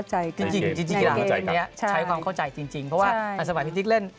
ใช้ความเข้าใจจริงเพราะว่าสมัยพิลิกเล่น